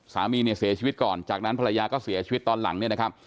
สามีเนี่ยเสียชีวิตก่อนจากนั้นภรรยาก็เสียชีวิตตอนหลังเนี่ยนะครับ